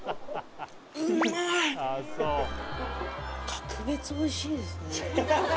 格別おいしいですね